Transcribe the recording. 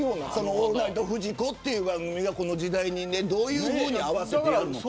オールナイトフジコという番組がこの時代にどういうふうに合わせるのか。